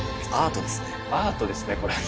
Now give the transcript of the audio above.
アートですねこれは。